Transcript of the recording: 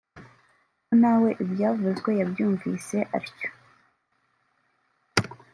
ko nawe ibyavuzwe yabyumvise atyo